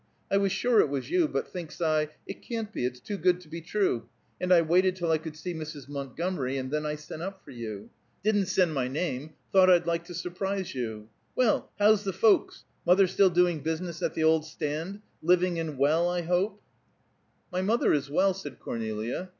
I was sure it was you; but thinks I, 'It can't be; it's too good to be true'; and I waited till I could see Mrs. Montgomery, and then I sent up for you. Didn't send my name; thought I'd like to surprise you. Well, how's the folks? Mother still doing business at the old stand? Living and well, I hope?" "My mother is well," said Cornelia.